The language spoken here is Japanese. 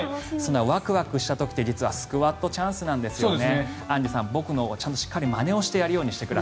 わくわくした時って実はスクワットチャンスなんですよね。